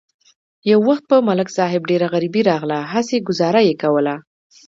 یو وخت په ملک صاحب ډېره غریبي راغله، هسې گذاره یې کوله.